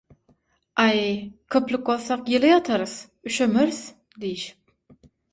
«Aý, köplük bolsak ýyly ýatarys, üşemeris» diýişip